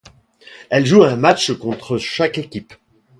Elle joue un match contre chaque équipe.